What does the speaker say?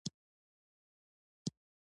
د افغانستان په منظره کې هرات ښکاره ده.